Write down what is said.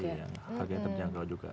iya harganya terjangkau juga